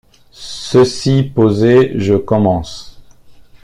Ceci posé, je commence.